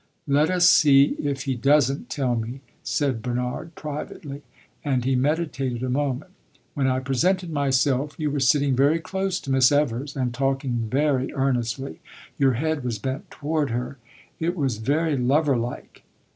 "Let us see if he does n't tell me," said Bernard, privately. And he meditated a moment. "When I presented myself, you were sitting very close to Miss Evers and talking very earnestly. Your head was bent toward her it was very lover like.